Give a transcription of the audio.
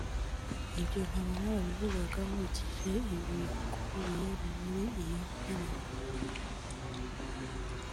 Ibyo nkaba narabivugaga nkurikije ibikubiye muri iyo ndirimbo